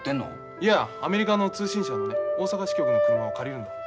いやアメリカの通信社のね大阪支局の車を借りるんだ。